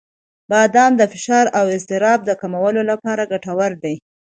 • بادام د فشار او اضطراب کمولو لپاره ګټور دي.